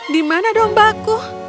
di mana domba aku